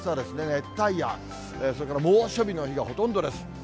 熱帯夜、それから猛暑日の日がほとんどです。